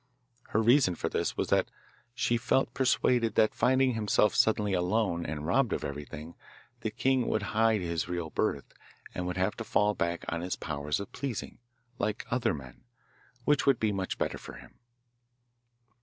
Her reason for this was that she felt persuaded that, finding himself suddenly alone and robbed of everything, the king would hide his real birth, and would have to fall back on his powers of pleasing, like other men, which would be much better for him.